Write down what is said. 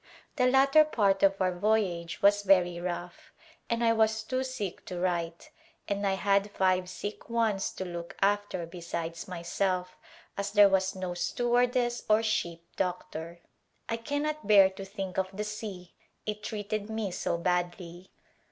The latter part of our voyage was very rough and I was too sick to write, and I had five sick ones to look after besides myself as there was no stewardess or ship doctor. I cannot bear to think of the sea, it treated me so badly.